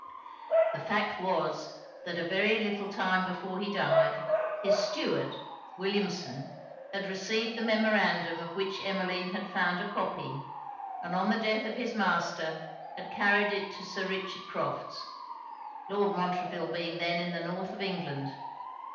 The fact was, that a very little time before he died, his steward, Williamson, had received the memorandum of which Emmeline had found a copy; and, on the death of his master, had carried it to Sir Richard Crofts; Lord Montreville being then in the North of England.